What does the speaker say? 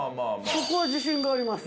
そこは自信があります。